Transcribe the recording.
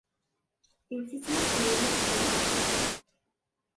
Iwet-it m akken yella deg lqaɛa.